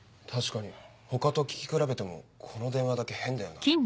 確かに他と聞き比べてもこの電話だけ変だよな。